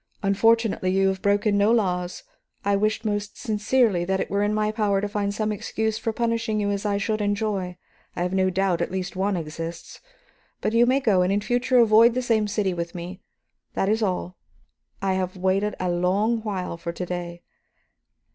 Unfortunately you have broken no laws. I wish most sincerely that it were in my power to find some excuse for punishing you as I should enjoy; I have no doubt at least one exists. But you may go, and in future avoid the same city with me. That is all; I have waited a long while for to day."